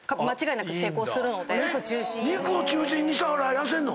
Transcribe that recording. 肉を中心にしたら痩せんの？